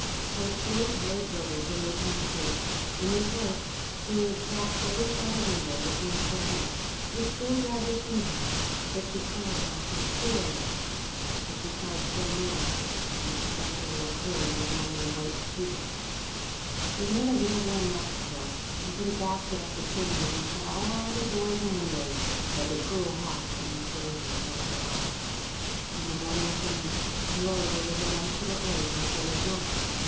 Our poor tired builder hurried home too, and his wife, who had sat always by the window looking for hini, was so glad to see him that she cried now for joy. But she cried still more when she found her LITTLE CURLY, 131 little Curly was only a white sea gull. They made a little warm nest for her^ and put a basket up the chimney, and shut all the doors and windows, that the cruel hawk might not get in and carry 'her off. When the morning came, lo, there was a nice little egg in Curly's nest